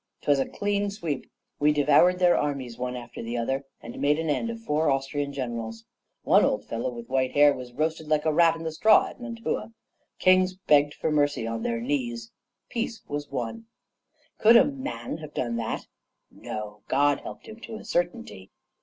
'Twas a clean sweep. We devoured their armies, one after the other, and made an end of four Austrian generals. One old fellow, with white hair, was roasted like a rat in the straw at Mantua. Kings begged for mercy on their knees! Peace was won. "Could a man have done that? No; God helped him, to a certainty!